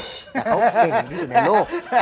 แต่เขาเก่งที่สุดในโลก